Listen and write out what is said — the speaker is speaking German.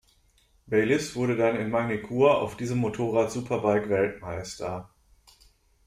Bayliss wurde dann in Magny Cours auf diesem Motorrad Superbike-Weltmeister.